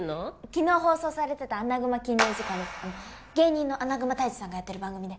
昨日放送されてた『アナグマ禁猟時間』です。芸人のアナグマ泰治さんがやってる番組で。